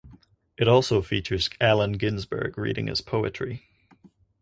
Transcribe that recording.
It also features Allen Ginsberg reading his poetry.